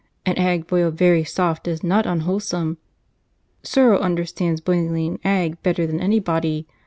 An egg boiled very soft is not unwholesome. Serle understands boiling an egg better than any body.